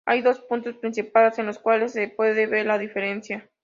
Hay dos puntos principales en los cuales se puede ver la diferencia.